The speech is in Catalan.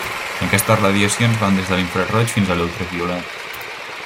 Aquestes radiacions van des de l'infraroig fins a l'ultraviolat.